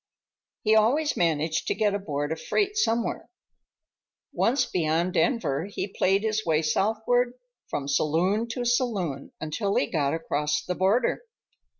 He always managed to get aboard a freight somewhere. Once beyond Denver, he played his way southward from saloon to saloon until he got across the border.